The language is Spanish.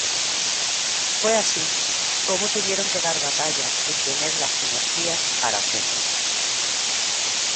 Fue así como tuvieron que dar batalla sin tener las energías para hacerlo.